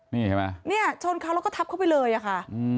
นี่เห็นไหมเนี่ยชนเขาแล้วก็ทับเข้าไปเลยอะค่ะ